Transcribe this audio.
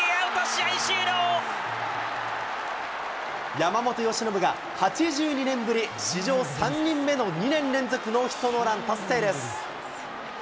山本由伸が、８２年ぶり史上３人目の２年連続ノーヒットノーラン達成です。